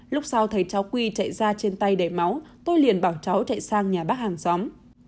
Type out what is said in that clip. lúc sau thấy cháu quy chạy ra trên tay để máu tôi liền bỏ cháu chạy sang nhà bác hàng xóm